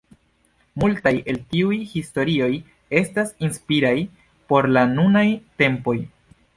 Multaj el tiuj historioj estas inspiraj por la nunaj tempoj.